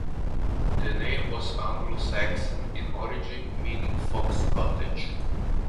The name was Anglo Saxon in origin, meaning "Fox cottage".